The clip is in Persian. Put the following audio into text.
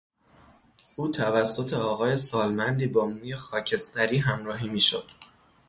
او توسط آقای سالمندی با موی خاکستری همراهی میشد.